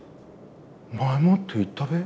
前もって言ったべ。